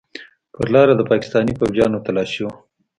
پر لاره د پاکستاني فوجيانو تلاشي وه.